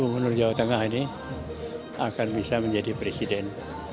gubernur jawa tengah ini akan bisa menjadi presiden